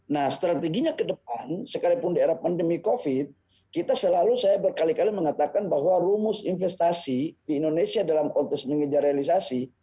nah strateginya ke depan sekalipun di era pandemi covid kita selalu saya berkali kali mengatakan bahwa rumus investasi di indonesia dalam konteks mengejar realisasi